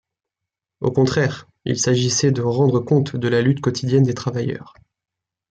Au contraire, il s’agissait de rendre compte de la lutte quotidienne des travailleurs.